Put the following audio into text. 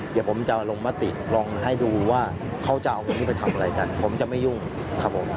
เดี๋ยวผมจะลงมติลองให้ดูว่าเขาจะเอาวันนี้ไปทำอะไรกันผมจะไม่ยุ่งครับผม